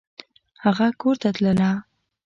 هغه کورته تلله !